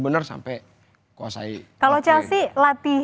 sekolah sampai sampai rumah aku joket lagi